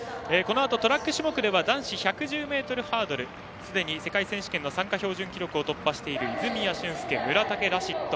トラック種目では男子１１０ｍハードルすでに世界選手権の参加標準記録を突破している泉谷駿介、村竹ラシッド。